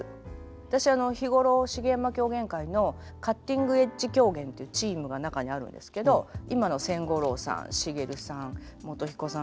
私日頃茂山狂言会の「カッティングエッジ狂言」というチームが中にあるんですけど今の千五郎さん茂さん宗彦さん